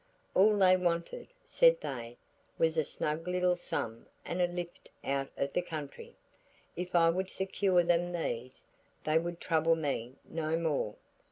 All they wanted, said they, was a snug little sum and a lift out of the country. If I would secure them these, they would trouble me no more.